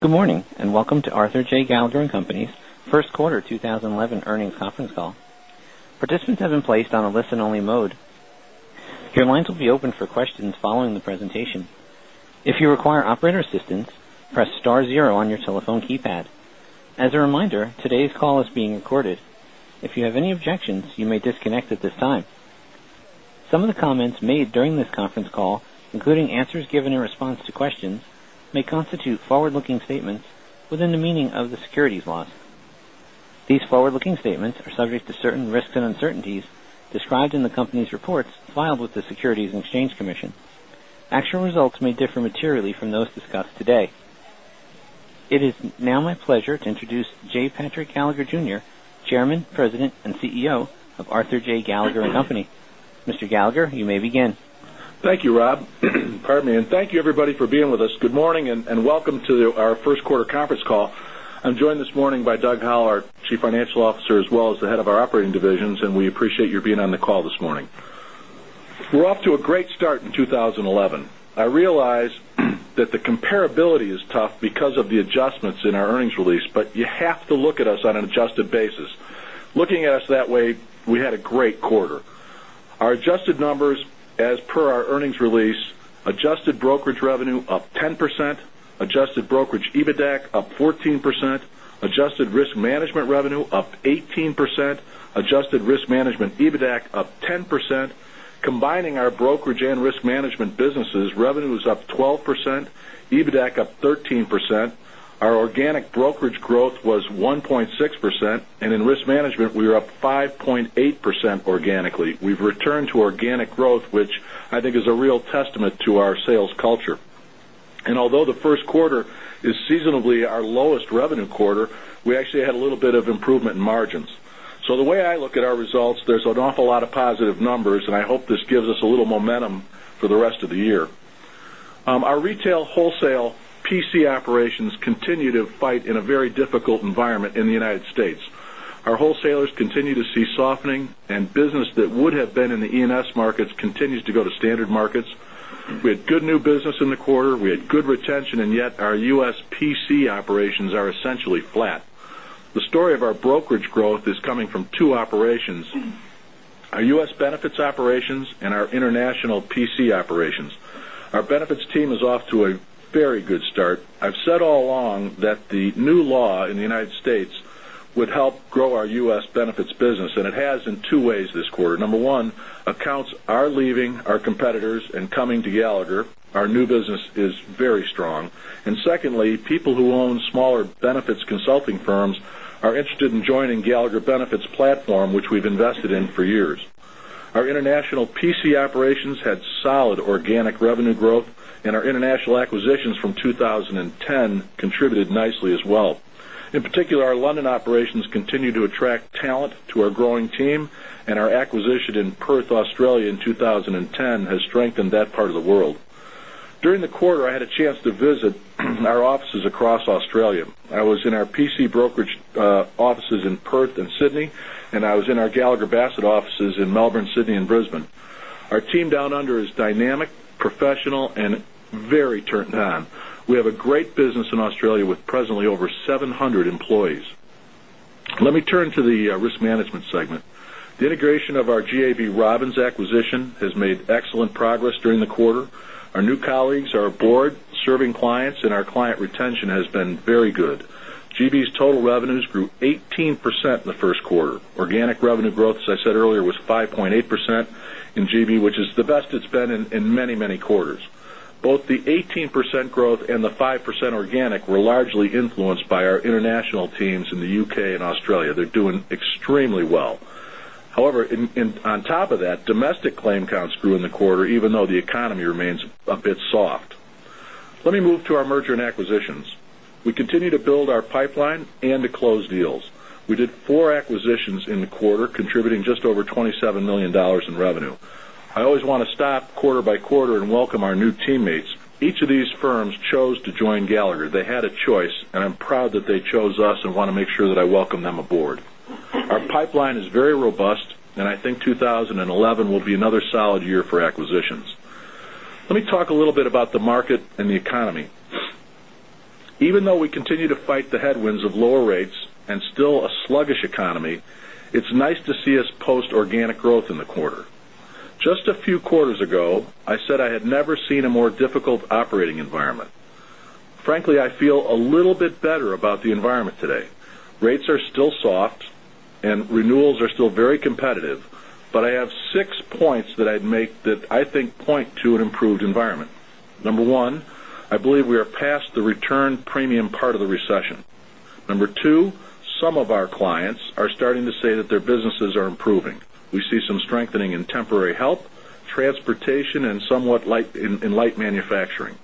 Good morning, and welcome to Arthur J. Gallagher & Co.'s first quarter 2011 earnings conference call. Participants have been placed on a listen-only mode. Your lines will be open for questions following the presentation. If you require operator assistance, press star zero on your telephone keypad. As a reminder, today's call is being recorded. If you have any objections, you may disconnect at this time. Some of the comments made during this conference call, including answers given in response to questions, may constitute forward-looking statements within the meaning of the securities laws. These forward-looking statements are subject to certain risks and uncertainties described in the company's reports filed with the Securities and Exchange Commission. Actual results may differ materially from those discussed today. It is now my pleasure to introduce J. Patrick Gallagher, Jr., Chairman, President, and CEO of Arthur J. Gallagher & Co.. Mr. Gallagher, you may begin. Thank you, Rob. Pardon me, and thank you everybody for being with us. Good morning, and welcome to our first quarter conference call. I'm joined this morning by Doug Howell, our Chief Financial Officer, as well as the head of our operating divisions, and we appreciate your being on the call this morning. We're off to a great start in 2011. I realize that the comparability is tough because of the adjustments in our earnings release, but you have to look at us on an adjusted basis. Looking at us that way, we had a great quarter. Our adjusted numbers, as per our earnings release, adjusted brokerage revenue up 10%, adjusted brokerage EBITDAC up 14%, adjusted risk management revenue up 18%, adjusted risk management EBITDAC up 10%. Combining our brokerage and risk management businesses, revenue is up 12%, EBITDAC up 13%. Our organic brokerage growth was 1.6%, and in risk management, we are up 5.8% organically. We've returned to organic growth, which I think is a real testament to our sales culture. Although the first quarter is seasonably our lowest revenue quarter, we actually had a little bit of improvement in margins. The way I look at our results, there's an awful lot of positive numbers, and I hope this gives us a little momentum for the rest of the year. Our retail wholesale PC operations continue to fight in a very difficult environment in the U.S.. Our wholesalers continue to see softening, and business that would have been in the E&S markets continues to go to standard markets. We had good new business in the quarter. We had good retention, and yet our U.S. PC operations are essentially flat. The story of our brokerage growth is coming from two operations, our U.S. benefits operations and our international PC operations. Our benefits team is off to a very good start. I've said all along that the new law in the U.S. would help grow our U.S. benefits business, and it has in two ways this quarter. Number one, accounts are leaving our competitors and coming to Gallagher. Our new business is very strong. Secondly, people who own smaller benefits consulting firms are interested in joining Gallagher Benefits platform, which we've invested in for years. Our international PC operations had solid organic revenue growth, and our international acquisitions from 2010 contributed nicely as well. In particular, our London operations continue to attract talent to our growing team, and our acquisition in Perth, Australia in 2010 has strengthened that part of the world. During the quarter, I had a chance to visit our offices across Australia. I was in our PC brokerage offices in Perth and Sydney, and I was in our Gallagher Bassett offices in Melbourne, Sydney, and Brisbane. Our team down under is dynamic, professional, and very turned on. We have a great business in Australia with presently over 700 employees. Let me turn to the risk management segment. The integration of our GAB Robins acquisition has made excellent progress during the quarter. Our new colleagues are aboard serving clients, and our client retention has been very good. GB's total revenues grew 18% in the first quarter. Organic revenue growth, as I said earlier, was 5.8% in GB, which is the best it's been in many, many quarters. Both the 18% growth and the 5% organic were largely influenced by our international teams in the U.K. and Australia. They're doing extremely well. However, on top of that, domestic claim counts grew in the quarter, even though the economy remains a bit soft. Let me move to our merger and acquisitions. We continue to build our pipeline and to close deals. We did four acquisitions in the quarter, contributing just over $27 million in revenue. I always want to stop quarter by quarter and welcome our new teammates. Each of these firms chose to join Gallagher. They had a choice, and I'm proud that they chose us and want to make sure that I welcome them aboard. Our pipeline is very robust, and I think 2011 will be another solid year for acquisitions. Let me talk a little bit about the market and the economy. Even though we continue to fight the headwinds of lower rates and still a sluggish economy, it's nice to see us post organic growth in the quarter. Just a few quarters ago, I said I had never seen a more difficult operating environment. Frankly, I feel a little bit better about the environment today. Rates are still soft, and renewals are still very competitive, but I have six points that I'd make that I think point to an improved environment. Number one, I believe we are past the return premium part of the recession. Number two, some of our clients are starting to say that their businesses are improving. We see some strengthening in temporary health, transportation, and somewhat in light manufacturing.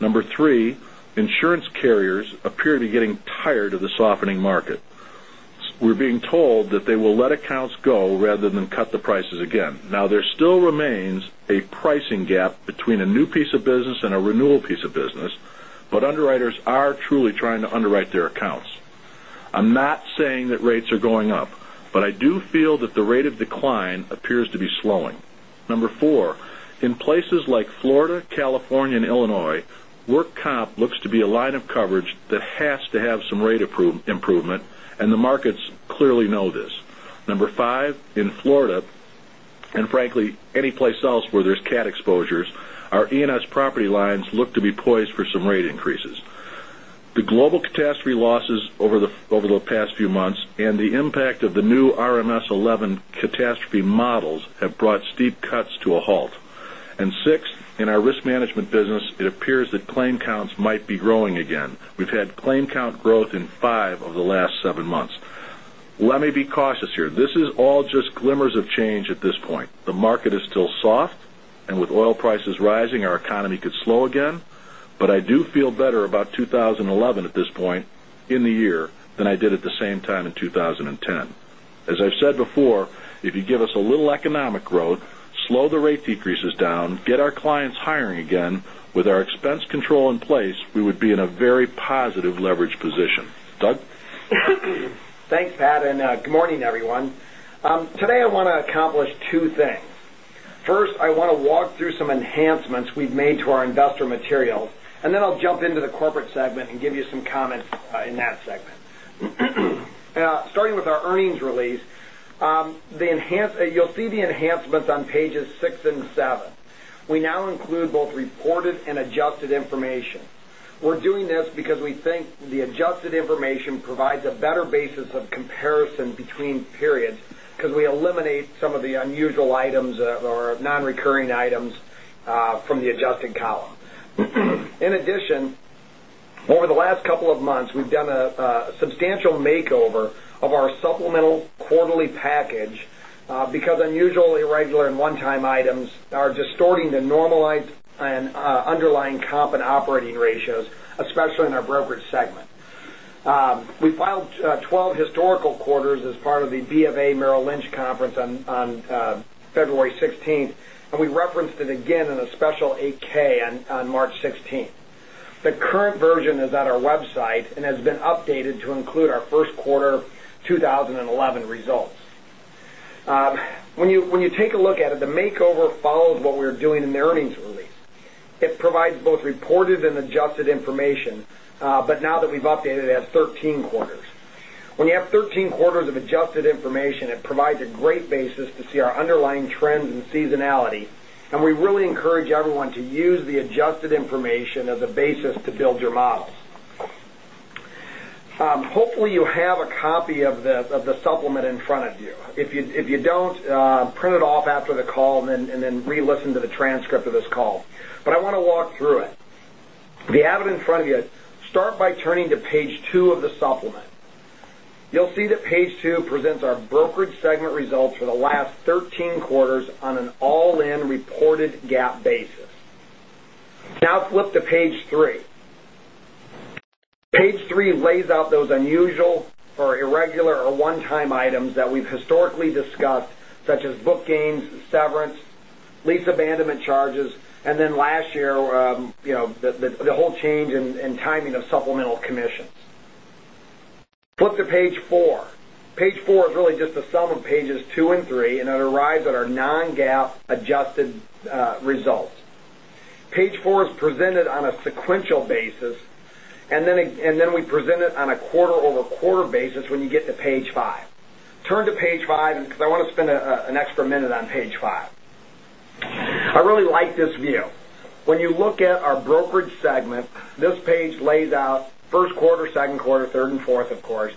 Number three, insurance carriers appear to be getting tired of the softening market. We're being told that they will let accounts go rather than cut the prices again. Now, there still remains a pricing gap between a new piece of business and a renewal piece of business, but underwriters are truly trying to underwrite their accounts. I'm not saying that rates are going up, but I do feel that the rate of decline appears to be slowing. Number four, in places like Florida, California, and Illinois, work comp looks to be a line of coverage that has to have some rate improvement, and the markets clearly know this. Number five, in Florida, and frankly, any place else where there's cat exposures, our E&S property lines look to be poised for some rate increases. The global catastrophe losses over the past few months and the impact of the new RMS v11 catastrophe models have brought steep cuts to a halt. Six, in our risk management business, it appears that claim counts might be growing again. We've had claim count growth in five of the last seven months. Let me be cautious here. This is all just glimmers of change at this point. The market is still soft, and with oil prices rising, our economy could slow again, but I do feel better about 2011 at this point in the year than I did at the same time in 2010. As I've said before, if you give us a little economic growth, slow the rate decreases down, get our clients hiring again, with our expense control in place, we would be in a very positive leverage position. Doug? Thanks, Pat, and good morning, everyone. Today, I want to accomplish two things. First, I want to walk through some enhancements we've made to our investor materials, and then I'll jump into the corporate segment and give you some comments in that segment. Starting with our earnings release, you'll see the enhancements on pages six and seven. We now include both reported and adjusted information. We're doing this because we think the adjusted information provides a better basis of comparison between periods because we eliminate some of the unusual items or non-recurring items from the adjusted column. In addition, over the last couple of months, we've done a substantial makeover of our supplemental quarterly package because unusual, irregular and one-time items are distorting the normalized and underlying comp and operating ratios, especially in our brokerage segment. We filed 12 historical quarters as part of the Bank of America Merrill Lynch conference on February 16th, and we referenced it again in a special 8-K on March 16th. The current version is on our website and has been updated to include our first quarter 2011 results. When you take a look at it, the makeover follows what we were doing in the earnings release. It provides both reported and adjusted information, but now that we've updated, it has 13 quarters. When you have 13 quarters of adjusted information, it provides a great basis to see our underlying trends and seasonality, and we really encourage everyone to use the adjusted information as a basis to build your models. Hopefully, you have a copy of the supplement in front of you. If you don't, print it off after the call and then re-listen to the transcript of this call. I want to walk through it. If you have it in front of you, start by turning to page two of the supplement. You'll see that page two presents our brokerage segment results for the last 13 quarters on an all-in reported GAAP basis. Now flip to page three. Page three lays out those unusual or irregular or one-time items that we've historically discussed, such as book gains, severance, lease abandonment charges, and then last year, the whole change in timing of supplemental commissions. Flip to page four. Page four is really just the sum of pages two and three, and it arrives at our non-GAAP adjusted results. Page four is presented on a sequential basis, and then we present it on a quarter-over-quarter basis when you get to page five. Turn to page five because I want to spend an extra minute on page five. I really like this view. When you look at our brokerage segment, this page lays out first quarter, second quarter, third, and fourth, of course,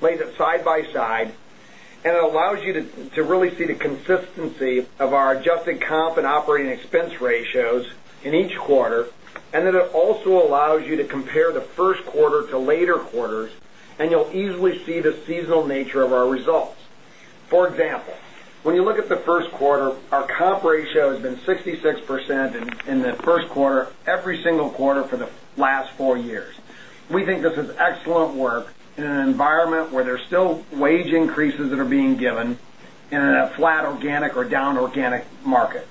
lays it side by side, and it allows you to really see the consistency of our adjusted comp and operating expense ratios in each quarter. Then it also allows you to compare the first quarter to later quarters, and you'll easily see the seasonal nature of our results. For example, when you look at the first quarter, our comp ratio has been 66% in the first quarter every single quarter for the last four years. We think this is excellent work in an environment where there's still wage increases that are being given in a flat organic or down organic market.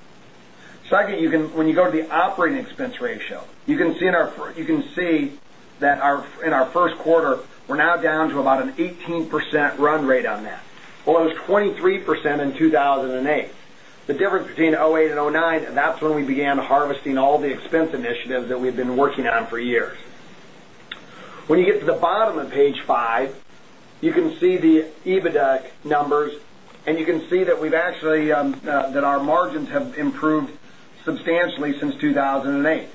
Second, when you go to the operating expense ratio, you can see that in our first quarter, we're now down to about an 18% run rate on that. It was 23% in 2008. The difference between 2008 and 2009, that's when we began harvesting all the expense initiatives that we've been working on for years. When you get to the bottom of page five, you can see the EBITDA numbers, and you can see that our margins have improved substantially since 2008.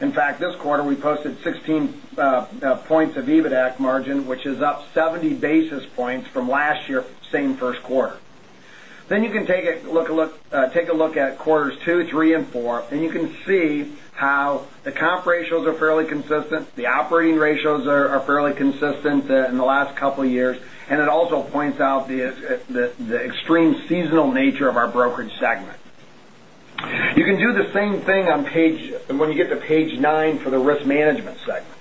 In fact, this quarter, we posted 16 points of EBITDA margin, which is up 70 basis points from last year, same first quarter. You can take a look at quarters two, three, and four, and you can see how the comp ratios are fairly consistent, the operating ratios are fairly consistent in the last couple of years, and it also points out the extreme seasonal nature of our brokerage segment. You can do the same thing when you get to page nine for the risk management segment.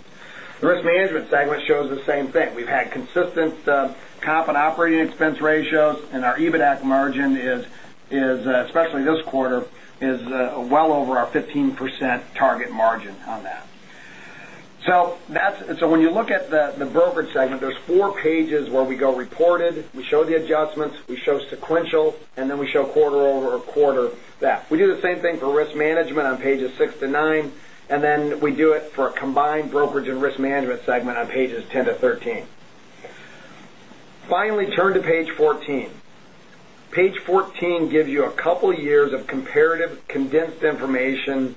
The risk management segment shows the same thing. We've had consistent comp and operating expense ratios, and our EBITDA margin, especially this quarter, is well over our 15% target margin on that. When you look at the brokerage segment, there's four pages where we go reported, we show the adjustments, we show sequential, and then we show quarter-over-quarter that. We do the same thing for risk management on pages six to nine, then we do it for a combined brokerage and risk management segment on pages 10 to 13. Finally, turn to page 14. Page 14 gives you a couple of years of comparative, condensed information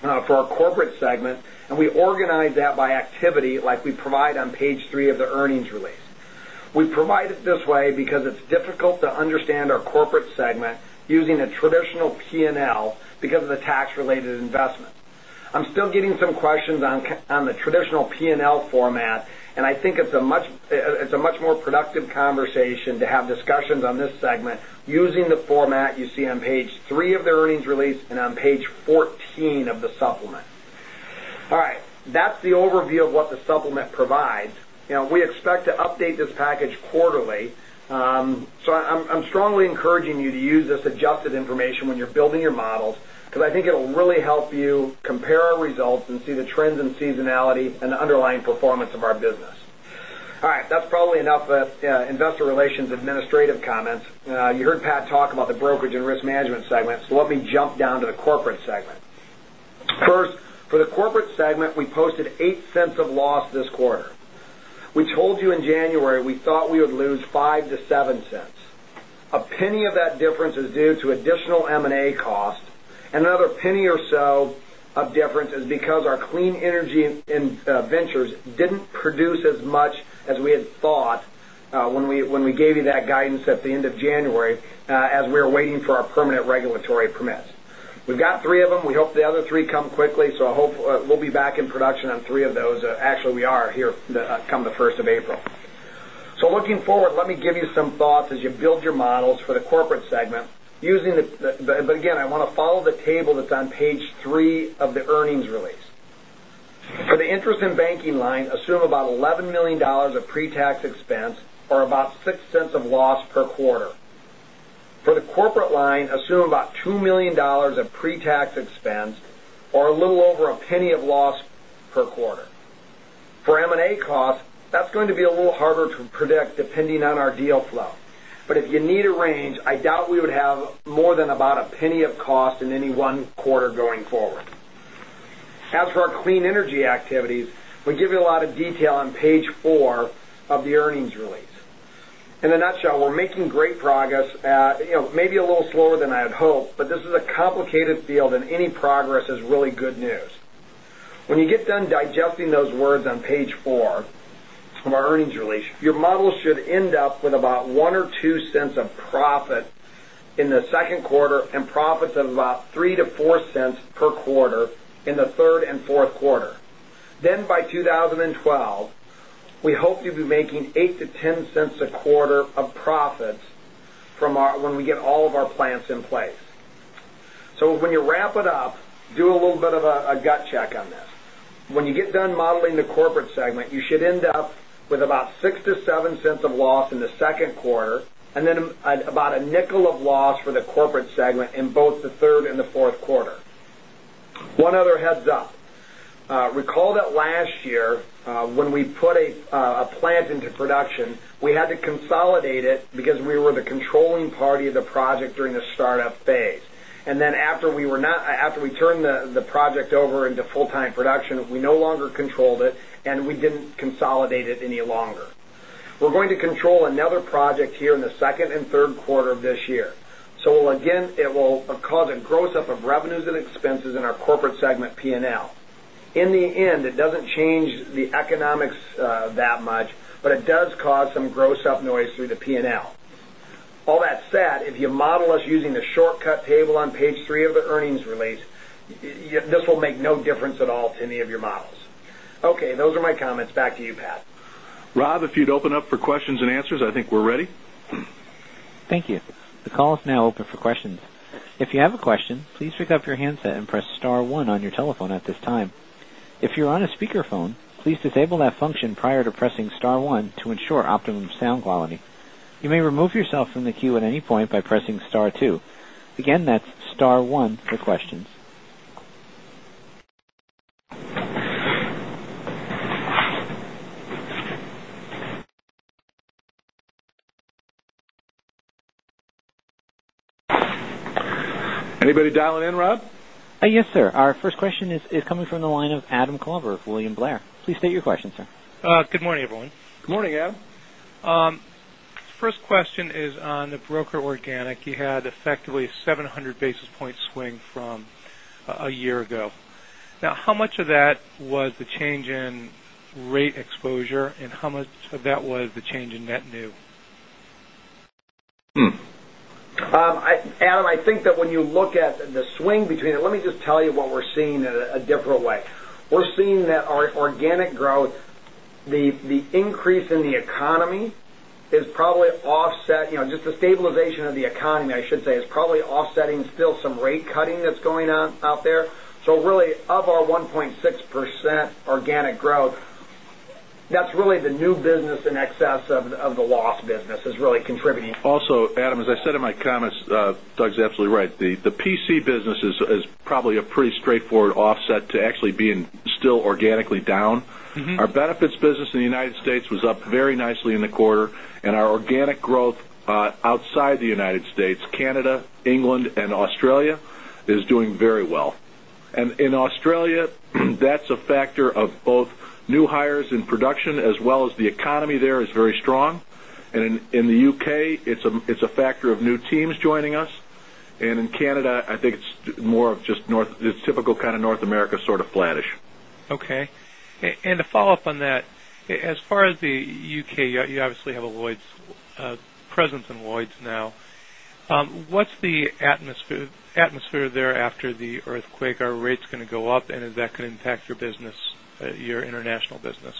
for our corporate segment, and we organize that by activity like we provide on page three of the earnings release. We provide it this way because it's difficult to understand our corporate segment using a traditional P&L because of the tax-related investment. I'm still getting some questions on the traditional P&L format, and I think it's a much more productive conversation to have discussions on this segment using the format you see on page three of the earnings release and on page 14 of the supplement. That's the overview of what the supplement provides. We expect to update this package quarterly. I'm strongly encouraging you to use this adjusted information when you're building your models, because I think it'll really help you compare our results and see the trends and seasonality and the underlying performance of our business. All right. That's probably enough investor relations administrative comments. You heard Pat talk about the brokerage and risk management segment, let me jump down to the corporate segment. First, for the corporate segment, we posted $0.08 of loss this quarter. We told you in January, we thought we would lose $0.05-$0.07. $0.01 of that difference is due to additional M&A costs, and another $0.01 or so of difference is because our clean energy investments didn't produce as much as we had thought when we gave you that guidance at the end of January, as we were waiting for our permanent regulatory permits. We've got three of them. We hope the other three come quickly, we'll be back in production on three of those. Actually, we are here, come the first of April. Looking forward, let me give you some thoughts as you build your models for the corporate segment. Again, I want to follow the table that's on page three of the earnings release. For the interest in banking line, assume about $11 million of pre-tax expense or about $0.06 of loss per quarter. For the corporate line, assume about $2 million of pre-tax expense or a little over $0.01 of loss per quarter. For M&A costs, that's going to be a little harder to predict depending on our deal flow. If you need a range, I doubt we would have more than about $0.01 of cost in any one quarter going forward. As for our clean energy investments, we give you a lot of detail on page four of the earnings release. In a nutshell, we're making great progress at maybe a little slower than I had hoped, but this is a complicated field, and any progress is really good news. When you get done digesting those words on page four of our earnings release, your model should end up with about $0.01 or $0.02 of profit in the second quarter and profits of about $0.03-$0.04 per quarter in the third and fourth quarter. By 2012, we hope to be making $0.08-$0.10 a quarter of profits when we get all of our plants in place. When you wrap it up, do a little bit of a gut check on this. When you get done modeling the corporate segment, you should end up with about $0.06-$0.07 of loss in the second quarter, and then about $0.05 of loss for the corporate segment in both the third and the fourth quarter. One other heads-up. Recall that last year, when we put a plant into production, we had to consolidate it because we were the controlling party of the project during the startup phase. After we turned the project over into full-time production, we no longer controlled it, and we didn't consolidate it any longer. We're going to control another project here in the second and third quarter of this year. Again, it will cause a gross up of revenues and expenses in our corporate segment P&L. In the end, it doesn't change the economics that much, but it does cause some gross up noise through the P&L. All that said, if you model us using the shortcut table on page three of the earnings release, this will make no difference at all to any of your models. Okay, those are my comments. Back to you, Pat. Rob, if you'd open up for questions and answers, I think we're ready. Thank you. The call is now open for questions. If you have a question, please pick up your handset and press star one on your telephone at this time. If you're on a speakerphone, please disable that function prior to pressing star one to ensure optimum sound quality. You may remove yourself from the queue at any point by pressing star two. Again, that's star one for questions. Anybody dialing in, Rob? Yes, sir. Our first question is coming from the line of Adam Klauber of William Blair. Please state your question, sir. Good morning, everyone. Good morning, Adam. First question is on the broker organic. You had effectively a 700 basis point swing from a year ago. Now, how much of that was the change in rate exposure, and how much of that was the change in net new? Adam, I think that when you look at the swing between. Let me just tell you what we're seeing in a different way. We're seeing that our organic growth, the increase in the economy is probably offset. Just the stabilization of the economy, I should say, is probably offsetting still some rate cutting that's going on out there. Really, of our 1.6% organic growth. That's really the new business in excess of the loss business, is really contributing. Adam, as I said in my comments, Doug's absolutely right. The PC business is probably a pretty straightforward offset to actually being still organically down. Our benefits business in the United States was up very nicely in the quarter, our organic growth outside the United States, Canada, England, and Australia, is doing very well. In Australia, that's a factor of both new hires and production, as well as the economy there is very strong. In the U.K., it's a factor of new teams joining us. In Canada, I think it's more of just the typical kind of North America sort of flattish. Okay. To follow up on that, as far as the U.K., you obviously have a presence in Lloyd's now. What's the atmosphere there after the earthquake? Are rates going to go up, and is that going to impact your international business?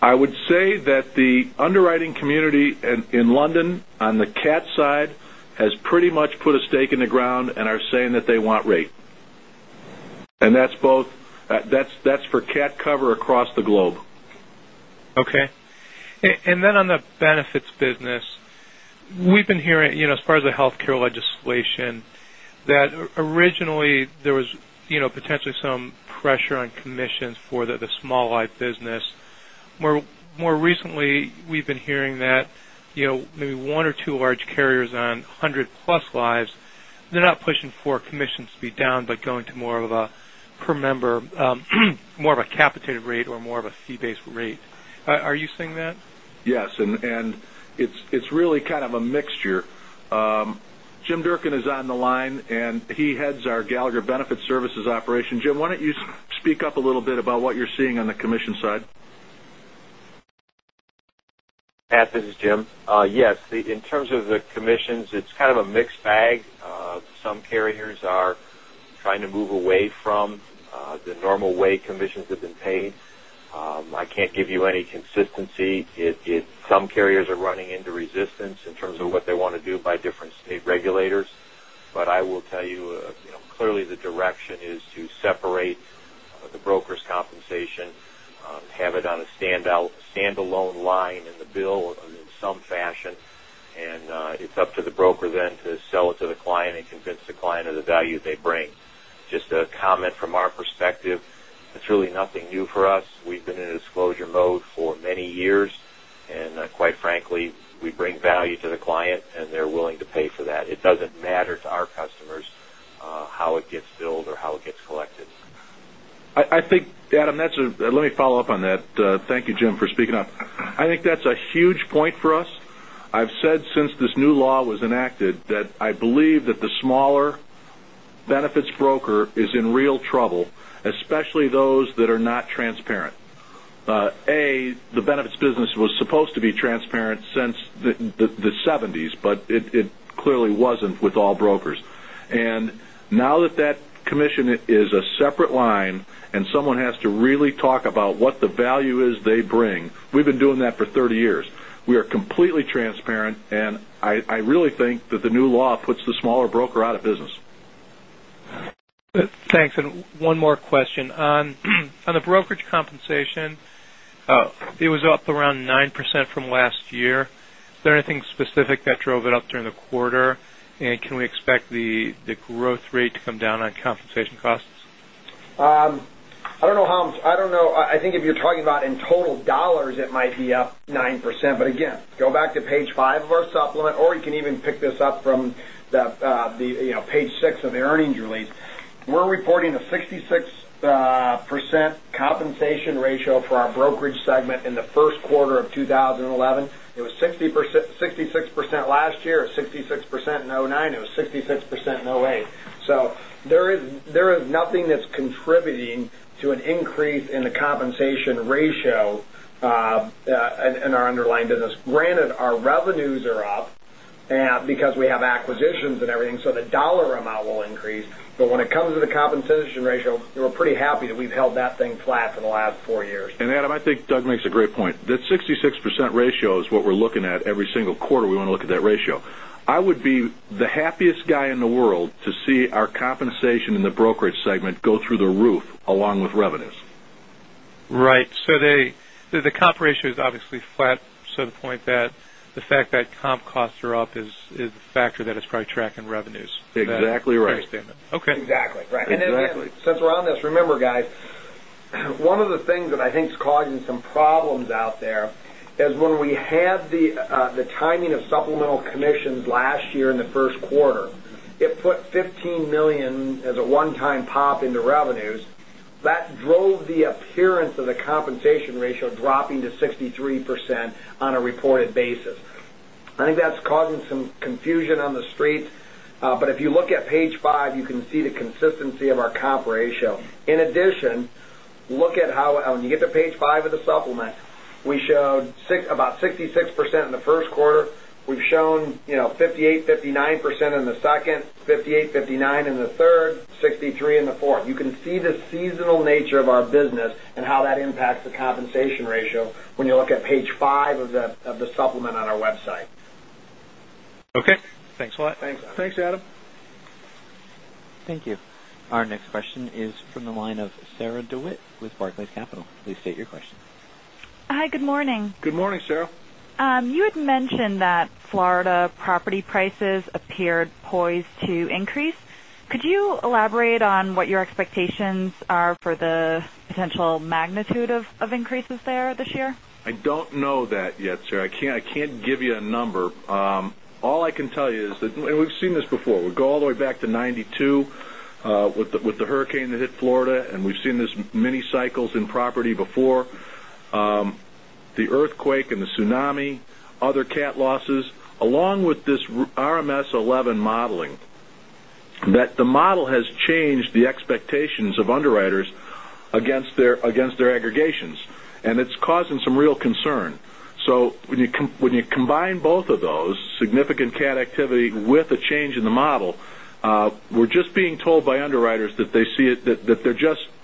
I would say that the underwriting community in London, on the cat side, has pretty much put a stake in the ground and are saying that they want rate. That's for cat cover across the globe. Okay. On the benefits business, we've been hearing, as far as the healthcare legislation, that originally there was potentially some pressure on commissions for the small life business. More recently, we've been hearing that maybe one or two large carriers on 100-plus lives, they're not pushing for commissions to be down, but going to more of a per member, more of a capitated rate or more of a fee-based rate. Are you seeing that? Yes, it's really kind of a mixture. Jim Durkin is on the line, and he heads our Gallagher Benefit Services operation. Jim, why don't you speak up a little bit about what you're seeing on the commission side? Pat, this is Jim. Yes, in terms of the commissions, it's kind of a mixed bag. Some carriers are trying to move away from the normal way commissions have been paid. I can't give you any consistency. Some carriers are running into resistance in terms of what they want to do by different state regulators. I will tell you, clearly the direction is to separate the broker's compensation, have it on a standalone line in the bill in some fashion, it's up to the broker then to sell it to the client and convince the client of the value they bring. Just a comment from our perspective, it's really nothing new for us. We've been in a disclosure mode for many years, quite frankly, we bring value to the client, and they're willing to pay for that. It doesn't matter to our customers how it gets billed or how it gets collected. I think, Adam, let me follow up on that. Thank you, Jim, for speaking up. I think that's a huge point for us. I've said since this new law was enacted that I believe that the smaller benefits broker is in real trouble, especially those that are not transparent. A, the benefits business was supposed to be transparent since the '70s, but it clearly wasn't with all brokers. Now that that commission is a separate line, and someone has to really talk about what the value is they bring, we've been doing that for 30 years. We are completely transparent. I really think that the new law puts the smaller broker out of business. Thanks. One more question. On the brokerage compensation, it was up around 9% from last year. Is there anything specific that drove it up during the quarter? Can we expect the growth rate to come down on compensation costs? I don't know, I think if you're talking about in total dollars, it might be up 9%. Again, go back to page five of our supplement, or you can even pick this up from page six of the earnings release. We're reporting a 66% compensation ratio for our brokerage segment in the first quarter of 2011. It was 66% last year, it was 66% in 2009, it was 66% in 2008. There is nothing that's contributing to an increase in the compensation ratio in our underlying business. Granted, our revenues are up because we have acquisitions and everything, so the dollar amount will increase. When it comes to the compensation ratio, we're pretty happy that we've held that thing flat for the last four years. Adam, I think Doug makes a great point. That 66% ratio is what we're looking at every single quarter, we want to look at that ratio. I would be the happiest guy in the world to see our compensation in the brokerage segment go through the roof along with revenues. Right. The comp ratio is obviously flat to the point that the fact that comp costs are up is a factor that is probably tracking revenues. Exactly right. I understand that. Okay. Exactly. Exactly. Since we're on this, remember, guys, one of the things that I think is causing some problems out there is when we had the timing of supplemental commissions last year in the first quarter. It put $15 million as a one-time pop into revenues. That drove the appearance of the compensation ratio dropping to 63% on a reported basis. I think that's causing some confusion on the street. If you look at page five, you can see the consistency of our comp ratio. In addition, when you get to page five of the supplement, we showed about 66% in the first quarter. We've shown 58%, 59% in the second, 58%, 59% in the third, 63% in the fourth. You can see the seasonal nature of our business and how that impacts the compensation ratio when you look at page five of the supplement on our website. Okay. Thanks a lot. Thanks, Adam. Thank you. Our next question is from the line of Sarah DeWitt with Barclays Capital. Please state your question. Hi, good morning. Good morning, Sarah. You had mentioned that Florida property prices appeared poised to increase. Could you elaborate on what your expectations are for the potential magnitude of increases there this year? I don't know that yet, Sarah. I can't give you a number. All I can tell you is that we've seen this before. We go all the way back to 1992, with the hurricane that hit Florida, and we've seen this many cycles in property before. The earthquake and the tsunami, other cat losses, along with this RMS v11 modeling, that the model has changed the expectations of underwriters against their aggregations, and it's causing some real concern. When you combine both of those, significant cat activity with a change in the model, we're just being told by underwriters that they see it, that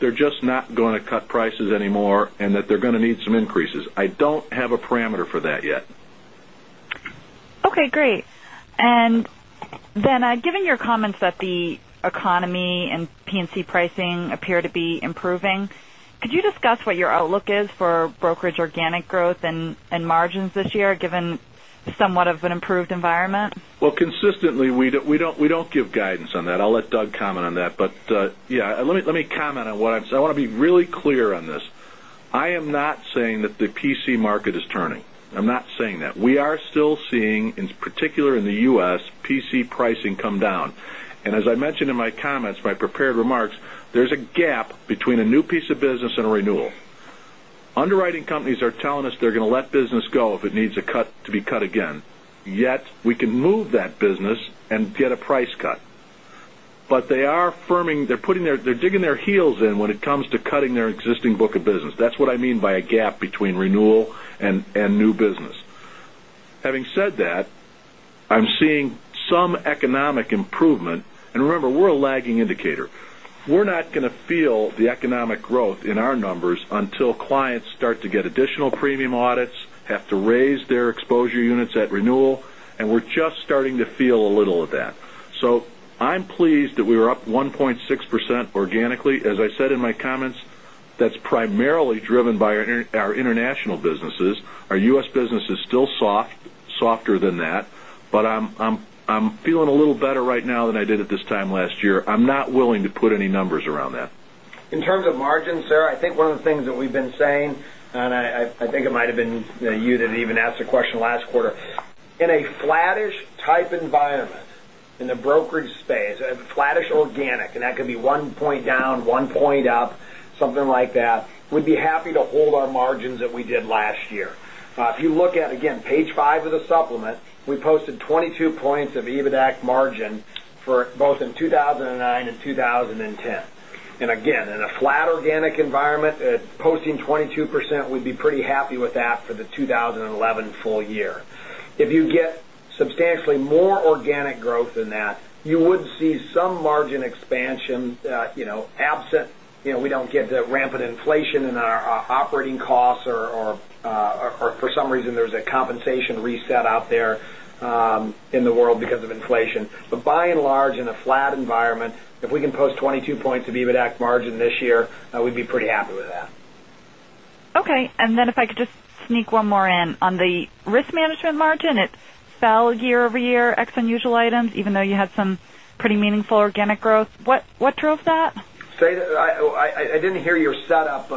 they're just not going to cut prices anymore, and that they're going to need some increases. I don't have a parameter for that yet. Okay, great. Given your comments that the economy and P&C pricing appear to be improving, could you discuss what your outlook is for brokerage organic growth and margins this year, given somewhat of an improved environment? Well, consistently, we don't give guidance on that. I'll let Doug comment on that. Let me comment on what I'm saying. I want to be really clear on this. I am not saying that the PC market is turning. I'm not saying that. We are still seeing, in particular in the U.S., PC pricing come down. As I mentioned in my comments, my prepared remarks, there's a gap between a new piece of business and a renewal. Underwriting companies are telling us they're going to let business go if it needs a cut to be cut again. Yet we can move that business and get a price cut. They are firming. They're digging their heels in when it comes to cutting their existing book of business. That's what I mean by a gap between renewal and new business. Having said that, I'm seeing some economic improvement. Remember, we're a lagging indicator. We're not going to feel the economic growth in our numbers until clients start to get additional premium audits, have to raise their exposure units at renewal, and we're just starting to feel a little of that. I'm pleased that we were up 1.6% organically. As I said in my comments, that's primarily driven by our international businesses. Our U.S. business is still soft, softer than that, I'm feeling a little better right now than I did at this time last year. I'm not willing to put any numbers around that. In terms of margins, Sarah, I think one of the things that we've been saying, I think it might have been you that even asked the question last quarter. In a flattish type environment, in the brokerage space, a flattish organic, that could be 1 point down, 1 point up, something like that, we'd be happy to hold our margins that we did last year. If you look at, again, page five of the supplement, we posted 22 points of EBITAC margin for both in 2009 and 2010. Again, in a flat organic environment, posting 22%, we'd be pretty happy with that for the 2011 full year. If you get substantially more organic growth than that, you would see some margin expansion absent, we don't get the rampant inflation in our operating costs or for some reason, there's a compensation reset out there in the world because of inflation. By and large, in a flat environment, if we can post 22 points of EBITAC margin this year, we'd be pretty happy with that. Okay. If I could just sneak one more in. On the risk management margin, it fell year-over-year ex unusual items, even though you had some pretty meaningful organic growth. What drove that? Say that again. I didn't hear your setup.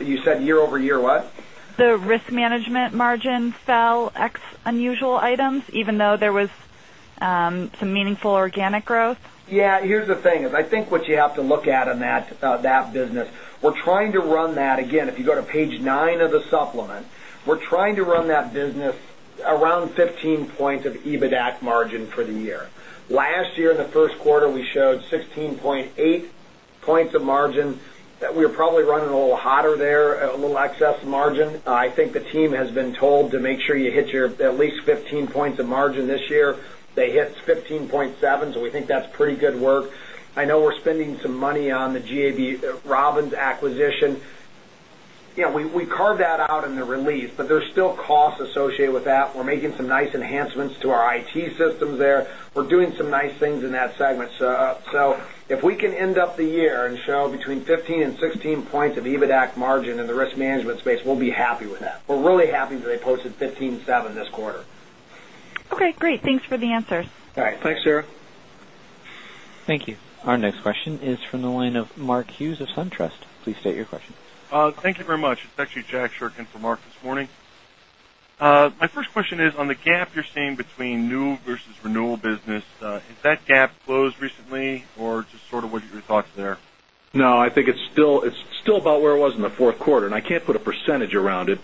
You said year-over-year what? The risk management margin fell ex unusual items, even though there was some meaningful organic growth. Yeah. Here's the thing is, I think what you have to look at in that business, we're trying to run that. Again, if you go to page nine of the supplement, we're trying to run that business around 15 points of EBITAC margin for the year. Last year, in the first quarter, we showed 16.8 points of margin that we were probably running a little hotter there, a little excess margin. I think the team has been told to make sure you hit your at least 15 points of margin this year. They hit 15.7, we think that's pretty good work. I know we're spending some money on the GAB Robins acquisition. We carved that out in the release, but there's still costs associated with that. We're making some nice enhancements to our IT systems there. We're doing some nice things in that segment. If we can end up the year and show between 15 and 16 points of EBITAC margin in the risk management space, we'll be happy with that. We're really happy that they posted 15.7 this quarter. Okay, great. Thanks for the answers. All right. Thanks, Sarah. Thank you. Our next question is from the line of Mark Hughes of SunTrust. Please state your question. Thank you very much. It's actually Jack Shirk in for Mark this morning. My first question is on the gap you're seeing between new versus renewal business. Has that gap closed recently or just sort of what you were talking there? No, I think it's still about where it was in the fourth quarter, and I can't put a percentage around it.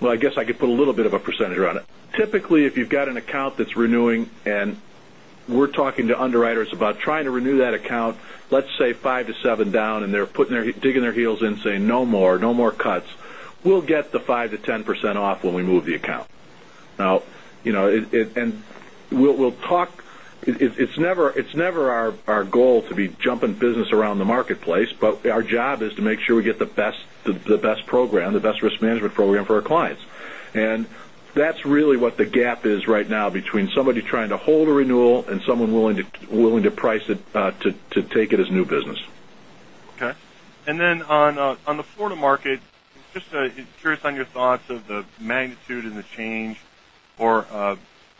Well, I guess I could put a little bit of a percentage around it. Typically, if you've got an account that's renewing and we're talking to underwriters about trying to renew that account, let's say five to seven down, and they're digging their heels in, saying, "No more cuts." We'll get the 5%-10% off when we move the account. It's never our goal to be jumping business around the marketplace, but our job is to make sure we get the best program, the best risk management program for our clients. That's really what the gap is right now between somebody trying to hold a renewal and someone willing to price it to take it as new business. Okay. On the Florida market, just curious on your thoughts of the magnitude and the change, or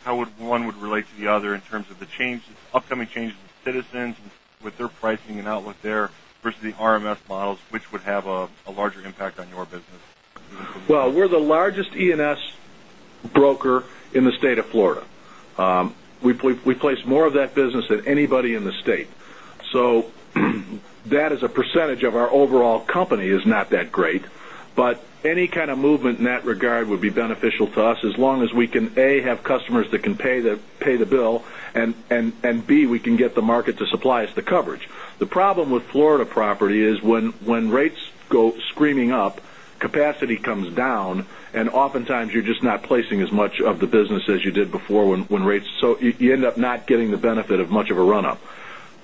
how one would relate to the other in terms of the upcoming change with Citizens, with their pricing and out with their versus the RMS models, which would have a larger impact on your business? Well, we're the largest E&S broker in the state of Florida. We place more of that business than anybody in the state. That as a percentage of our overall company is not that great, but any kind of movement in that regard would be beneficial to us as long as we can, A, have customers that can pay the bill, and B, we can get the market to supply us the coverage. The problem with Florida property is when rates go screaming up, capacity comes down, and oftentimes, you're just not placing as much of the business as you did before. You end up not getting the benefit of much of a run-up.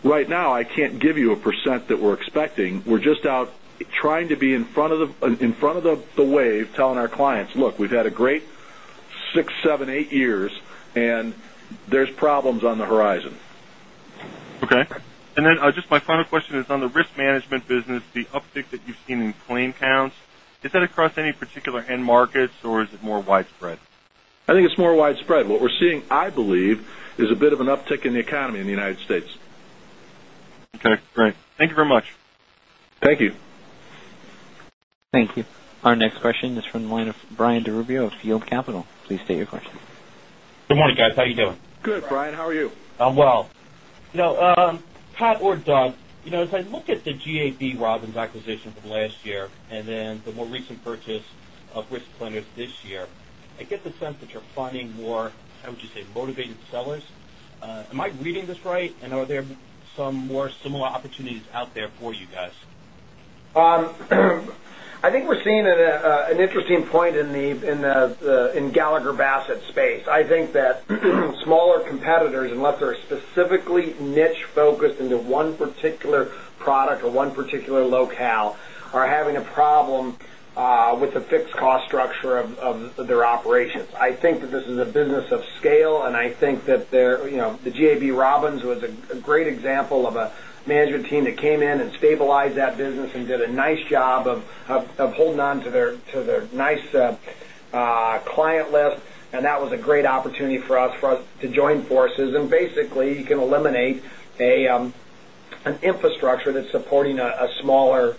Right now, I can't give you a % that we're expecting. We're just out trying to be in front of the wave, telling our clients, "Look, we've had a great six, seven, eight years, and there's problems on the horizon. Okay. Just my final question is on the risk management business, the uptick that you've seen in claim counts, is that across any particular end markets or is it more widespread? I think it's more widespread. What we're seeing, I believe, is a bit of an uptick in the economy in the U.S. Okay, great. Thank you very much. Thank you. Thank you. Our next question is from the line of Brian DiRubbio of Feltl & Company. Please state your question. Good morning, guys. How you doing? Good, Brian. How are you? I'm well. Pat or Doug, as I look at the GAB Robbins acquisition from last year and then the more recent purchase of Risk Planners this year, I get the sense that you're finding more, how would you say, motivated sellers. Am I reading this right? Are there some more similar opportunities out there for you guys? I think we're seeing an interesting point in Gallagher Bassett space. I think that smaller competitors, unless they're specifically niche focused into one particular product or one particular locale, are having a problem with the fixed cost structure of their operations. I think that this is a business of scale, and I think that the GAB Robbins was a great example of a management team that came in and stabilized that business and did a nice job of holding on to their nice client list, and that was a great opportunity for us to join forces. Basically, you can eliminate an infrastructure that's supporting a smaller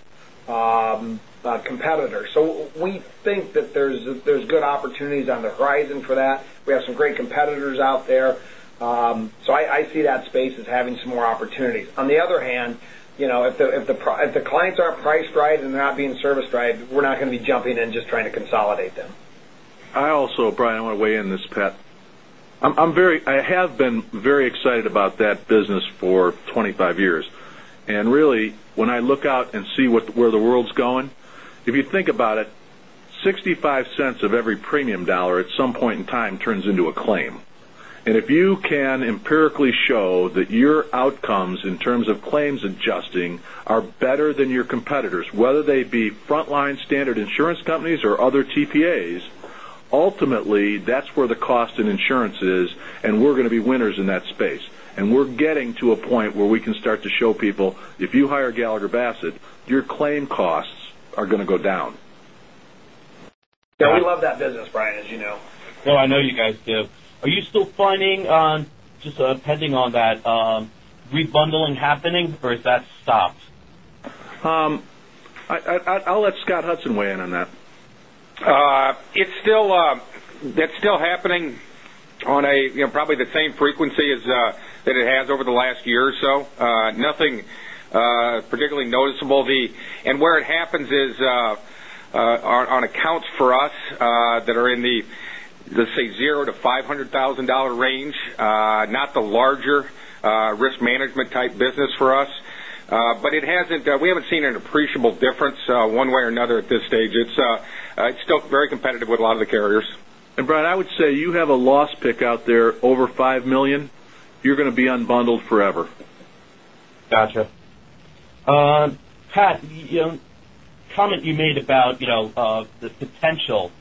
competitor. We think that there's good opportunities on the horizon for that. We have some great competitors out there. I see that space as having some more opportunities. On the other hand, if the clients aren't priced right and they're not being serviced right, we're not going to be jumping in just trying to consolidate them. I also, Brian, I want to weigh in this, Pat. I have been very excited about that business for 25 years. Really, when I look out and see where the world's going, if you think about it, $0.65 of every premium dollar at some point in time turns into a claim. If you can empirically show that your outcomes in terms of claims adjusting are better than your competitors, whether they be frontline standard insurance companies or other TPAs, ultimately, that's where the cost in insurance is, and we're going to be winners in that space. We're getting to a point where we can start to show people, if you hire Gallagher Bassett, your claim costs are going to go down. Yeah, we love that business, Brian, as you know. No, I know you guys do. Are you still planning on, just pending on that, rebundling happening, or has that stopped? I'll let Scott Hudson weigh in on that. That's still happening on probably the same frequency that it has over the last year or so. Nothing particularly noticeable. Where it happens is on accounts for us that are in the, let's say, zero to $500,000 range, not the larger risk management type business for us. We haven't seen an appreciable difference one way or another at this stage. It's still very competitive with a lot of the carriers. Brian, I would say you have a loss pick out there over $5 million, you're going to be unbundled forever. Got you. Pat, comment you made about the potential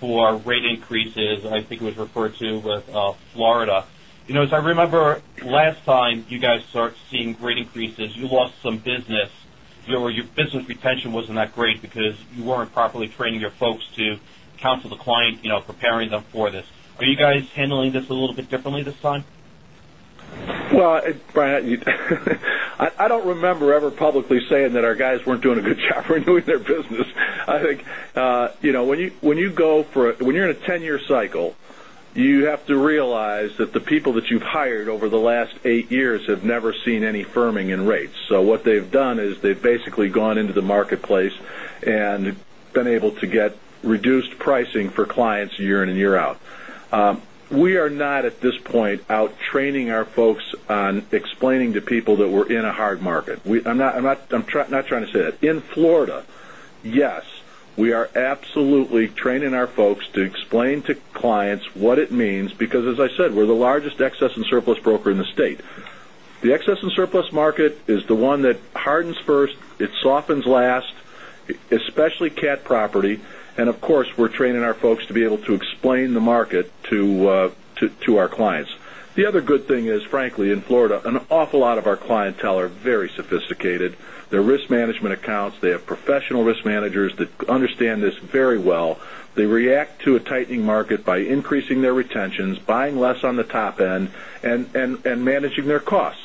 for rate increases, I think it was referred to with Florida. I remember last time you guys started seeing rate increases, you lost some business. Your business retention wasn't that great because you weren't properly training your folks to counsel the client, preparing them for this. Are you guys handling this a little bit differently this time? Well, Brian, I don't remember ever publicly saying that our guys weren't doing a good job renewing their business. I think, when you're in a 10-year cycle, you have to realize that the people that you've hired over the last eight years have never seen any firming in rates. What they've done is they've basically gone into the marketplace and been able to get reduced pricing for clients year in and year out. We are not at this point out training our folks on explaining to people that we're in a hard market. I'm not trying to say that. In Florida, yes, we are absolutely training our folks to explain to clients what it means because, as I said, we're the largest excess and surplus broker in the state. The excess and surplus market is the one that hardens first, it softens last, especially cat property. Of course, we're training our folks to be able to explain the market to our clients. The other good thing is, frankly, in Florida, an awful lot of our clientele are very sophisticated. They're risk management accounts. They have professional risk managers that understand this very well. They react to a tightening market by increasing their retentions, buying less on the top end, and managing their costs.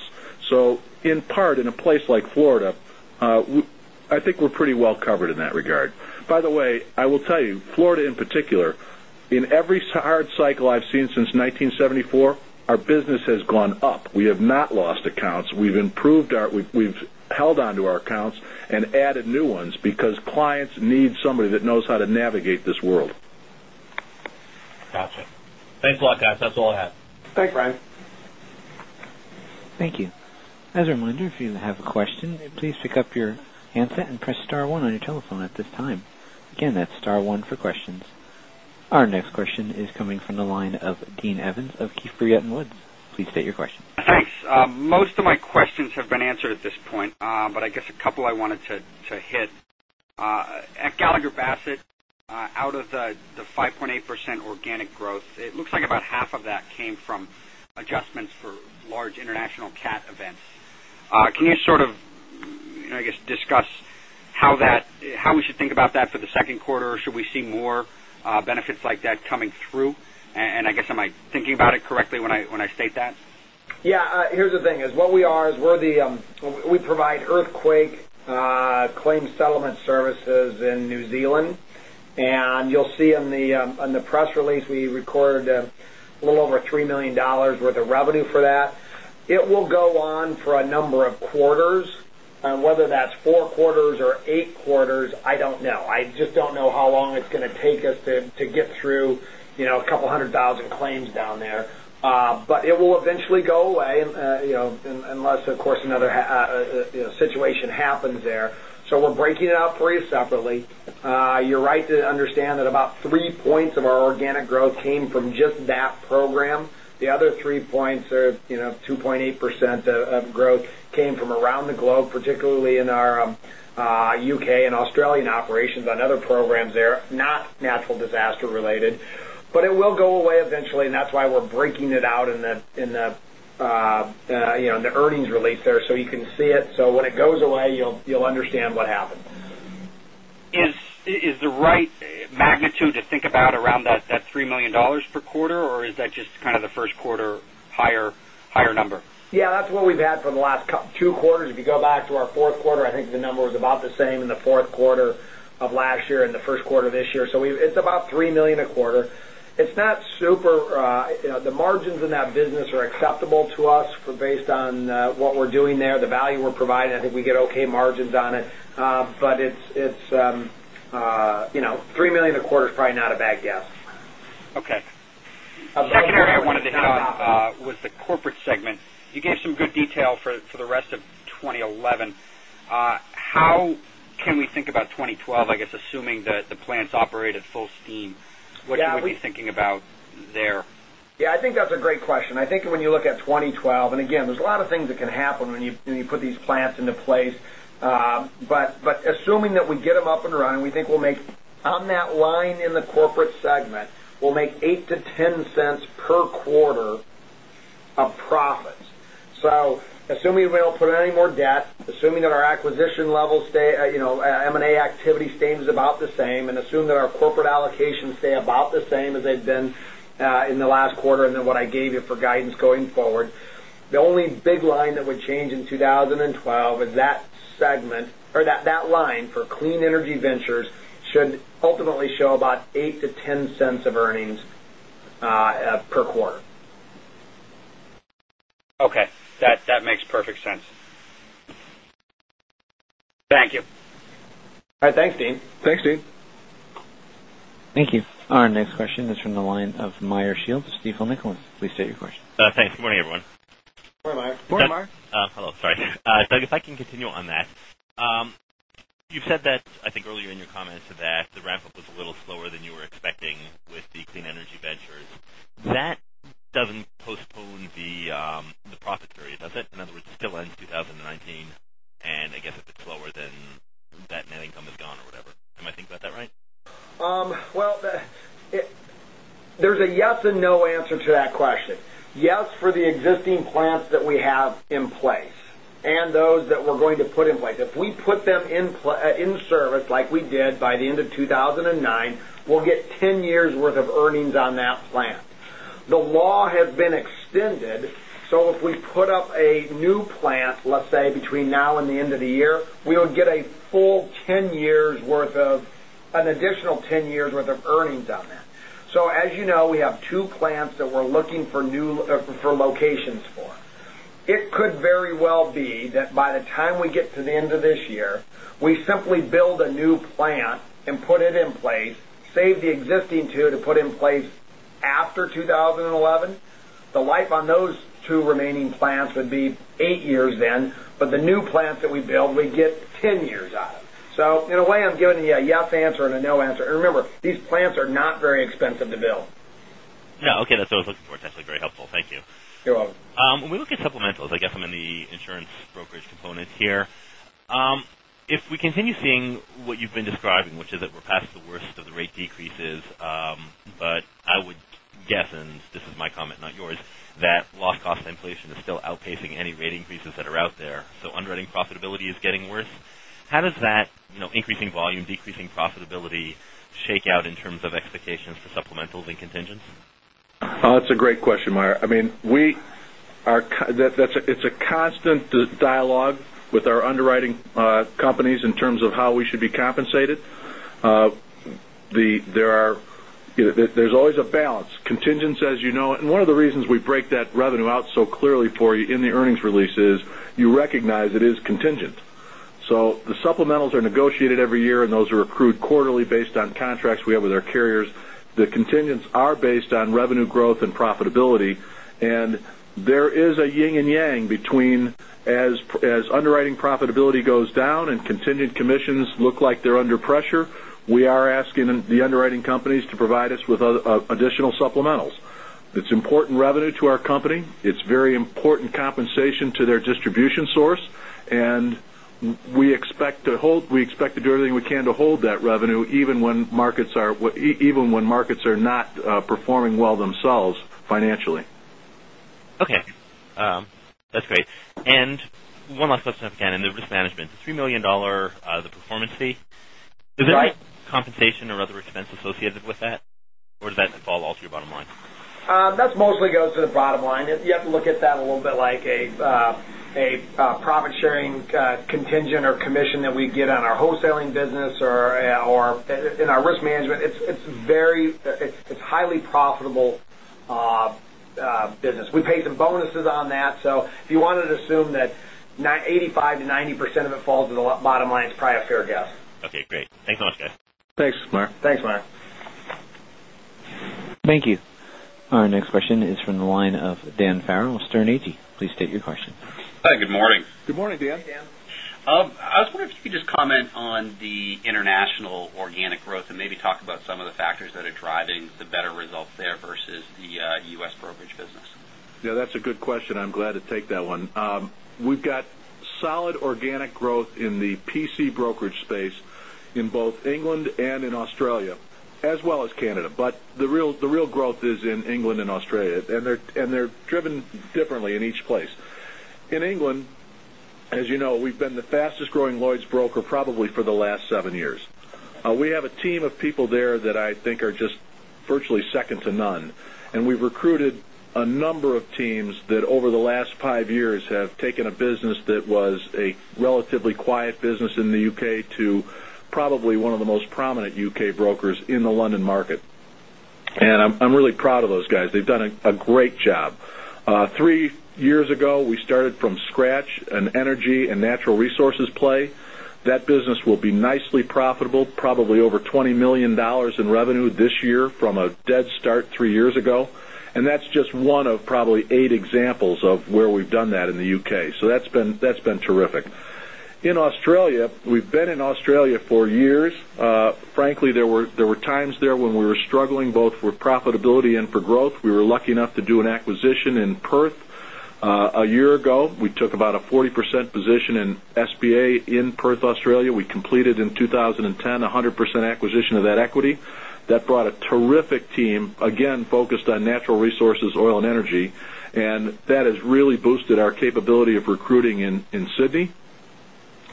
In part, in a place like Florida, I think we're pretty well covered in that regard. By the way, I will tell you, Florida in particular, in every hard cycle I've seen since 1974, our business has gone up. We have not lost accounts. We've held onto our accounts and added new ones because clients need somebody that knows how to navigate this world. Got you. Thanks a lot, guys. That's all I have. Thanks, Brian. Thank you. As a reminder, if you have a question, please pick up your handset and press star one on your telephone at this time. Again, that's star one for questions. Our next question is coming from the line of Dean Evans of Keefe, Bruyette & Woods. Please state your question. Thanks. Most of my questions have been answered at this point. I guess a couple I wanted to hit. At Gallagher Bassett, out of the 5.8% organic growth, it looks like about half of that came from adjustments for large international cat events. Can you sort of, I guess, discuss how we should think about that for the second quarter, or should we see more benefits like that coming through? I guess, am I thinking about it correctly when I state that? Yeah. Here's the thing, is we provide earthquake claim settlement services in New Zealand, and you'll see on the press release, we recorded a little over $3 million worth of revenue for that. It will go on for a number of quarters, and whether that's four quarters or eight quarters, I don't know. I just don't know how long it's going to take us to get through a couple hundred thousand claims down there. It will eventually go away, unless, of course, another situation happens there. We're breaking it out for you separately. You're right to understand that about three points of our organic growth came from just that program. The other three points or 2.8% of growth came from around the globe, particularly in our U.K. and Australian operations on other programs there, not natural disaster related. It will go away eventually, and that's why we're breaking it out in the earnings release there so you can see it. When it goes away, you'll understand what happened. Is the right magnitude to think about around that $3 million per quarter, or is that just kind of the first quarter higher number? Yeah, that's what we've had for the last two quarters. If you go back to our fourth quarter, I think the number was about the same in the fourth quarter of last year and the first quarter of this year. It's about $3 million a quarter. The margins in that business are acceptable to us based on what we're doing there, the value we're providing. I think we get okay margins on it. $3 million a quarter is probably not a bad guess. Okay. The second area I wanted to hit on was the corporate segment. You gave some good detail for the rest of 2011. How can we think about 2012, I guess assuming that the plants operate at full steam? What should we be thinking about there? Yeah, I think that's a great question. I think when you look at 2012, again, there's a lot of things that can happen when you put these plants into place. Assuming that we get them up and running, we think on that line in the corporate segment, we'll make $0.08 to $0.10 per quarter of profit. Assuming we don't put in any more debt, assuming that our M&A activity stays about the same, and assuming that our corporate allocations stay about the same as they've been in the last quarter, then what I gave you for guidance going forward, the only big line that would change in 2012 is that segment or that line for clean energy investments should ultimately show about $0.08 to $0.10 of earnings per quarter. Okay. That makes perfect sense. Thank you. All right. Thanks, Dean. Thanks, Dean. Thank you. Our next question is from the line of Meyer Shields, Stifel Nicolaus. Please state your question. Thanks. Good morning, everyone. Good morning, Meyer. Good morning, Meyer. Hello. Sorry. Doug, if I can continue on that. You've said that, I think earlier in your comments, that the ramp-up was a little slower than you were expecting with the clean energy investments. That doesn't postpone the profit period, does it? In other words, it still ends 2019. I guess if it's slower, then that net income is gone or whatever. Am I thinking about that right? Well, there's a yes and no answer to that question. Yes for the existing plants that we have in place and those that we're going to put in place. If we put them in service like we did by the end of 2009, we'll get 10 years' worth of earnings on that plant. The law has been extended, if we put up a new plant, let's say between now and the end of the year, we would get an additional 10 years' worth of earnings on that. As you know, we have two plants that we're looking for locations for. It could very well be that by the time we get to the end of this year, we simply build a new plant and put it in place, save the existing two to put in place after 2011. The life on those two remaining plants would be eight years then, the new plants that we build, we'd get 10 years out of. In a way, I'm giving you a yes answer and a no answer. Remember, these plants are not very expensive to build. Yeah. Okay. That's what I was looking for. It's actually very helpful. Thank you. You're welcome. When we look at supplementals, I guess I'm in the insurance brokerage component here. If we continue seeing what you've been describing, which is that we're past the worst of the rate decreases, but I would guess, and this is my comment, not yours, that loss cost inflation is still outpacing any rate increases that are out there, so underwriting profitability is getting worse. How does that increasing volume, decreasing profitability shake out in terms of expectations for supplementals and contingents? That's a great question, Meyer. It's a constant dialogue with our underwriting companies in terms of how we should be compensated. There's always a balance. Contingents, as you know, and one of the reasons we break that revenue out so clearly for you in the earnings release is you recognize it is contingent. The supplementals are negotiated every year, and those are accrued quarterly based on contracts we have with our carriers. The contingents are based on revenue growth and profitability, and there is a yin and yang between as underwriting profitability goes down and contingent commissions look like they're under pressure, we are asking the underwriting companies to provide us with additional supplementals. It's important revenue to our company. It's very important compensation to their distribution source, and we expect to do everything we can to hold that revenue, even when markets are not performing well themselves financially. Okay. That's great. One last question again in the risk management. The $3 million, the performance fee. Right. Is there any compensation or other expense associated with that, or does that fall all to your bottom line? That mostly goes to the bottom line. You have to look at that a little bit like a profit-sharing contingent or commission that we get on our wholesaling business or in our risk management. It's highly profitable business. We pay some bonuses on that. If you wanted to assume that 85%-90% of it falls in the bottom line, it's probably a fair guess. Okay, great. Thanks so much, guys. Thanks, Meyer. Thanks, Meyer. Thank you. Our next question is from the line of Dan Farrell with Sterne Agee. Please state your question. Hi. Good morning. Good morning, Dan. Hey, Dan. I was wondering if you could just comment on the international organic growth and maybe talk about some of the factors that are driving the better results there versus the U.S. brokerage business. Yeah, that's a good question. I'm glad to take that one. We've got solid organic growth in the PC brokerage space in both England and in Australia, as well as Canada. The real growth is in England and Australia, and they're driven differently in each place. In England, as you know, we've been the fastest growing Lloyd's broker probably for the last seven years. We have a team of people there that I think are just virtually second to none, and we've recruited a number of teams that over the last five years have taken a business that was a relatively quiet business in the U.K. to probably one of the most prominent U.K. brokers in the London market. I'm really proud of those guys. They've done a great job. Three years ago, we started from scratch, an energy and natural resources play. That business will be nicely profitable, probably over $20 million in revenue this year from a dead start three years ago, that's just one of probably eight examples of where we've done that in the U.K. That's been terrific. In Australia, we've been in Australia for years. Frankly, there were times there when we were struggling both with profitability and for growth. We were lucky enough to do an acquisition in Perth. A year ago, we took about a 40% position in SBA in Perth, Australia. We completed in 2010, a 100% acquisition of that equity. That brought a terrific team, again, focused on natural resources, oil, and energy, and that has really boosted our capability of recruiting in Sydney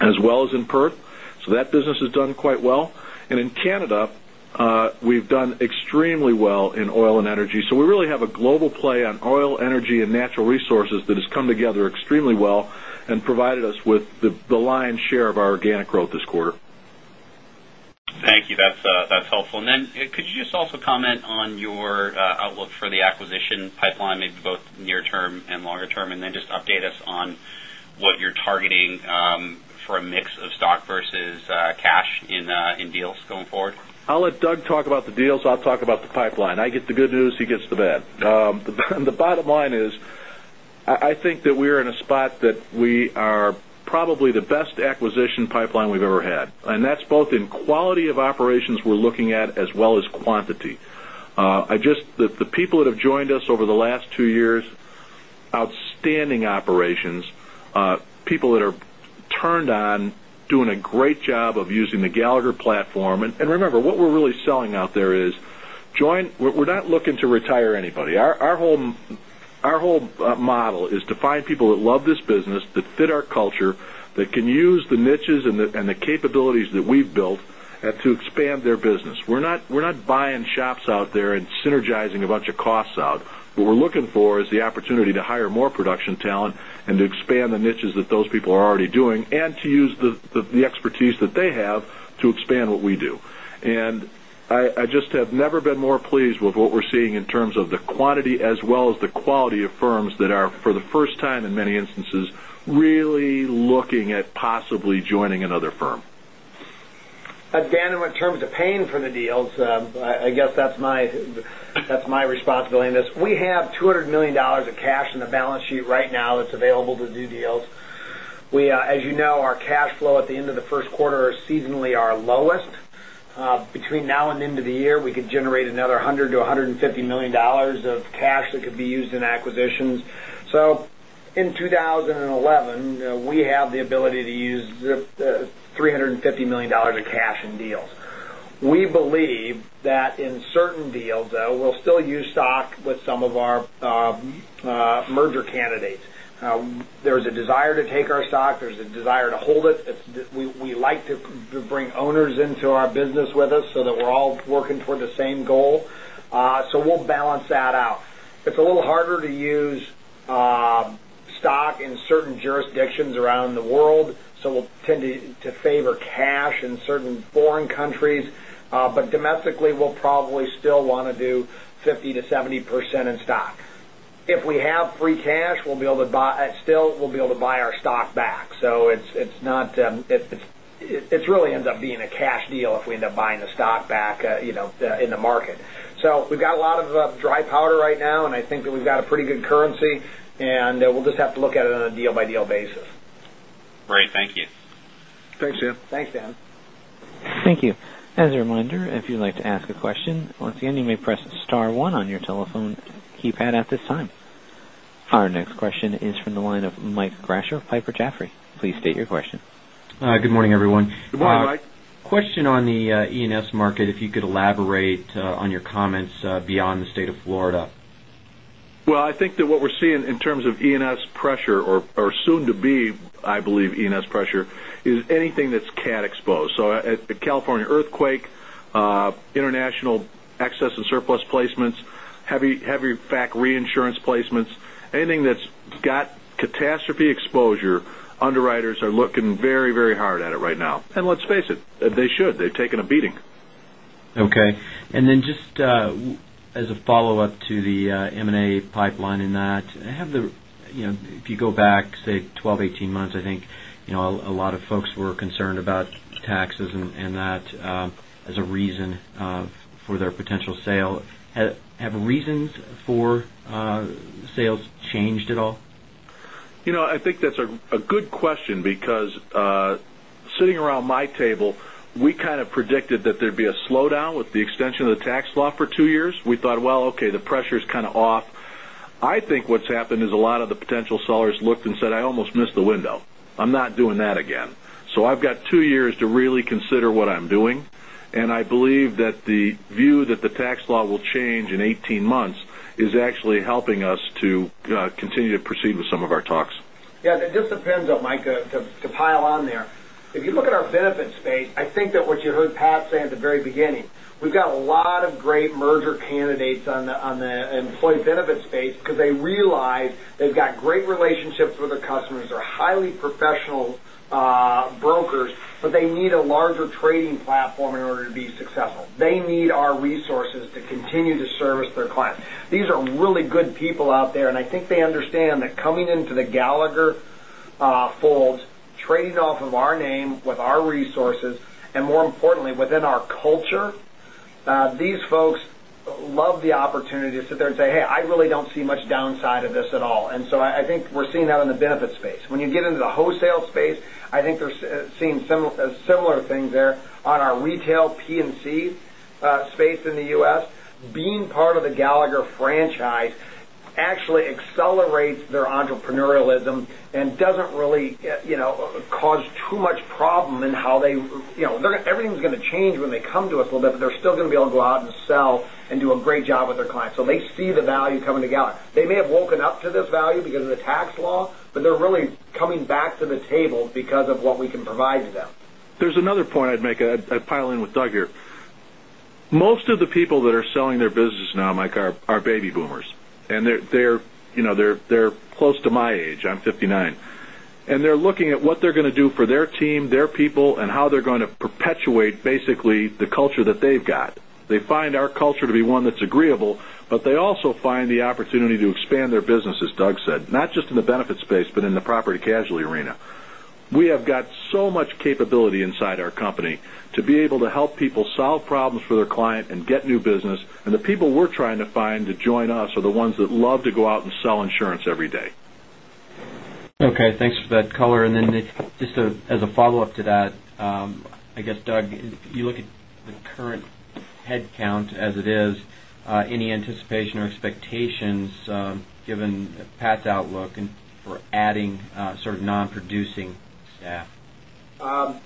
as well as in Perth. That business has done quite well. In Canada, we've done extremely well in oil and energy. We really have a global play on oil, energy, and natural resources that has come together extremely well and provided us with the lion's share of our organic growth this quarter. Thank you. That's helpful. Could you just also comment on your outlook for the acquisition pipeline, maybe both near term and longer term, then just update us on what you're targeting for a mix of stock versus cash in deals going forward? I'll let Doug talk about the deals. I'll talk about the pipeline. I get the good news, he gets the bad. The bottom line is, I think that we're in a spot that we are probably the best acquisition pipeline we've ever had, and that's both in quality of operations we're looking at as well as quantity. The people that have joined us over the last two years, outstanding operations, people that are turned on doing a great job of using the Gallagher platform. Remember, what we're really selling out there is, we're not looking to retire anybody. Our whole model is to find people that love this business, that fit our culture, that can use the niches and the capabilities that we've built, and to expand their business. We're not buying shops out there and synergizing a bunch of costs out. What we're looking for is the opportunity to hire more production talent and to expand the niches that those people are already doing and to use the expertise that they have to expand what we do. I just have never been more pleased with what we're seeing in terms of the quantity as well as the quality of firms that are, for the first time in many instances, really looking at possibly joining another firm. Dan, in terms of paying for the deals, I guess that's my responsibility in this. We have $200 million of cash in the balance sheet right now that's available to do deals. As you know, our cash flow at the end of the first quarter is seasonally our lowest. Between now and the end of the year, we could generate another $100 million-$150 million of cash that could be used in acquisitions. In 2011, we have the ability to use $350 million of cash in deals. We believe that in certain deals, though, we'll still use stock with some of our merger candidates. There's a desire to take our stock. There's a desire to hold it. We like to bring owners into our business with us so that we're all working toward the same goal. We'll balance that out. It's a little harder to use stock in certain jurisdictions around the world. We'll tend to favor cash in certain foreign countries. Domestically, we'll probably still want to do 50% to 70% in stock. If we have free cash, still, we'll be able to buy our stock back. It really ends up being a cash deal if we end up buying the stock back in the market. We've got a lot of dry powder right now, and I think that we've got a pretty good currency, and we'll just have to look at it on a deal-by-deal basis. Great. Thank you. Thanks, Dan. Thanks, Dan. Thank you. As a reminder, if you'd like to ask a question, once again, you may press star one on your telephone keypad at this time. Our next question is from the line of Mike Grasher, Piper Jaffray. Please state your question. Hi, good morning, everyone. Good morning, Mike. Question on the E&S market, if you could elaborate on your comments beyond the state of Florida. I think that what we're seeing in terms of E&S pressure, or soon to be, I believe, E&S pressure, is anything that's cat exposed. A California earthquake, international excess and surplus placements, heavy facultative reinsurance placements. Anything that's got catastrophe exposure, underwriters are looking very hard at it right now. Let's face it, they should. They've taken a beating. Okay. Just as a follow-up to the M&A pipeline and that, if you go back, say, 12, 18 months, I think a lot of folks were concerned about taxes and that as a reason for their potential sale. Have reasons for sales changed at all? I think that's a good question because, sitting around my table, we kind of predicted that there'd be a slowdown with the extension of the tax law for two years. We thought, well, okay, the pressure's kind of off. I think what's happened is a lot of the potential sellers looked and said, "I almost missed the window. I'm not doing that again." I've got two years to really consider what I'm doing, I believe that the view that the tax law will change in 18 months is actually helping us to continue to proceed with some of our talks. It just depends, though, Mike, to pile on there. If you look at our benefits space, I think that what you heard Pat say at the very beginning, we've got a lot of great merger candidates on the employee benefits space because they realize they've got great relationships with their customers. They're highly professional brokers, they need a larger trading platform in order to be successful. They need our resources to continue to service their clients. These are really good people out there, I think they understand that coming into the Gallagher fold, trading off of our name with our resources, and more importantly, within our culture, these folks love the opportunity to sit there and say, "Hey, I really don't see much downside of this at all." I think we're seeing that in the benefits space. When you get into the wholesale space, I think they're seeing similar things there on our retail P&C space in the U.S. Being part of the Gallagher franchise actually accelerates their entrepreneurialism and doesn't really cause too much problem. Everything's going to change when they come to us a little bit, but they're still going to be able to go out and sell and do a great job with their clients. They see the value coming to Gallagher. They may have woken up to this value because of the tax law, but they're really coming back to the table because of what we can provide to them. There's another point I'd make. I'd pile in with Doug here. Most of the people that are selling their business now, Mike, are baby boomers. They're close to my age. I'm 59. They're looking at what they're going to do for their team, their people, and how they're going to perpetuate basically the culture that they've got. They find our culture to be one that's agreeable, but they also find the opportunity to expand their business, as Doug said, not just in the benefits space, but in the property casualty arena. We have got so much capability inside our company to be able to help people solve problems for their client and get new business. The people we're trying to find to join us are the ones that love to go out and sell insurance every day. Okay, thanks for that color. Just as a follow-up to that, I guess, Doug, you look at the current headcount as it is, any anticipation or expectations given Pat's outlook for adding sort of non-producing staff? First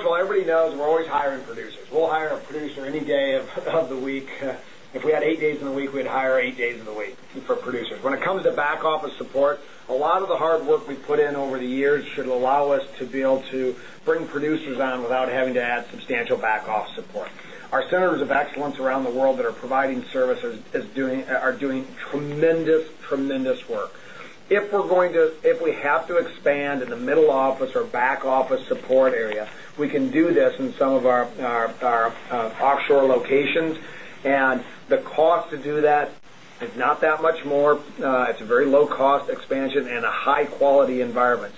of all, everybody knows we're always hiring producers. We'll hire a producer any day of the week. If we had eight days in the week, we'd hire eight days of the week for producers. When it comes to back office support, a lot of the hard work we've put in over the years should allow us to be able to bring producers on without having to add substantial back office support. Our centers of excellence around the world that are providing services are doing tremendous work. If we have to expand in the middle office or back office support area, we can do this in some of our offshore locations. The cost to do that is not that much more. It's a very low-cost expansion and a high-quality environment.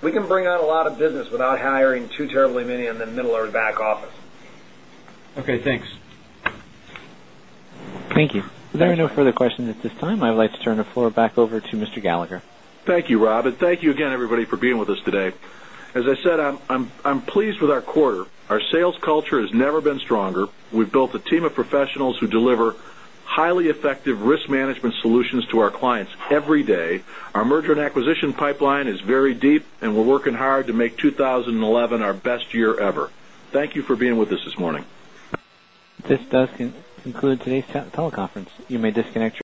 We can bring on a lot of business without hiring too terribly many in the middle or back office. Okay, thanks. Thank you. There are no further questions at this time. I would like to turn the floor back over to Mr. Gallagher. Thank you, Rob. Thank you again, everybody, for being with us today. As I said, I'm pleased with our quarter. Our sales culture has never been stronger. We've built a team of professionals who deliver highly effective risk management solutions to our clients every day. Our merger and acquisition pipeline is very deep, and we're working hard to make 2011 our best year ever. Thank you for being with us this morning. This does conclude today's teleconference. You may disconnect.